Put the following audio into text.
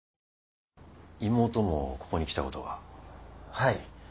はい。